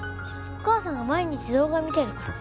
お母さんが毎日動画見てるから。